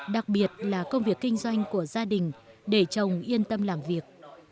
đặc biệt là công việc kinh doanh của gia đình để chồng yên tâm làm việc